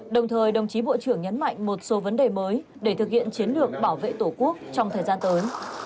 đồng thời đồng chí bộ trưởng nhấn mạnh một số vấn đề mới để thực hiện chiến lược bảo vệ tổ quốc trong thời gian tới